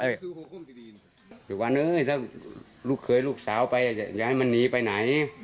ฯทธิ์ให้ลูกเขยลูกสาวไปอย่ามันหนีไปไหน